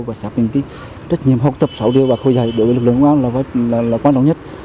và xác định trách nhiệm học tập sáu điều bác hồ dạy đối với lực lượng công an là quan trọng nhất